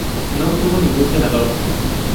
No obtuvo ningún senador.